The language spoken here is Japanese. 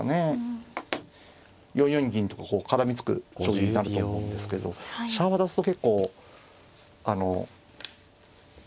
４四銀とかこう絡みつく将棋になると思うんですけど飛車を渡すと結構あの。